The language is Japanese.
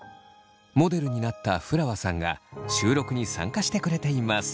モデルになったふらわさんが収録に参加してくれています。